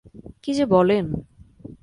কি যে বলেন!